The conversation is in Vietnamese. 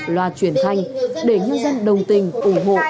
loa truyền thanh để nhân dân đồng tình ủng hộ